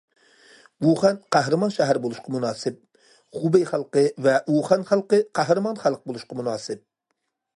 ۋۇخەن قەھرىمان شەھەر بولۇشقا مۇناسىپ، خۇبېي خەلقى ۋە ۋۇخەن خەلقى قەھرىمان خەلق بولۇشقا مۇناسىپ.